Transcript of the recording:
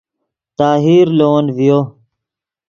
طاہر لے ون ڤیو